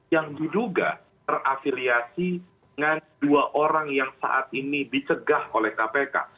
yang diduga terafiliasi dengan dua orang yang saat ini dicegah oleh kpk